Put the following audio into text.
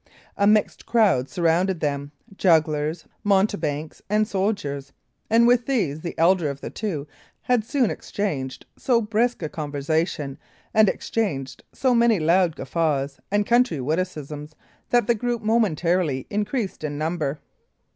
A mixed crowd surrounded them jugglers, mountebanks, and soldiers; and with these the elder of the two had soon engaged so brisk a conversation, and exchanged so many loud guffaws and country witticisms, that the group momentarily increased in number.